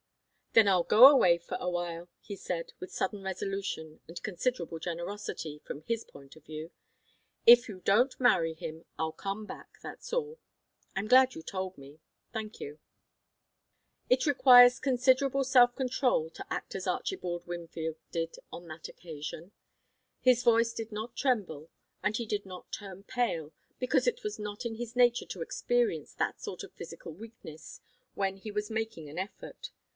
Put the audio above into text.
"Then I'll go away for awhile," he said, with sudden resolution and considerable generosity, from his point of view. "If you don't marry him, I'll come back, that's all. I'm glad you told me. Thank you." It requires considerable self control to act as Archibald Wingfield did on that occasion. His voice did not tremble, and he did not turn pale, because it was not in his nature to experience that sort of physical weakness when he was making an effort.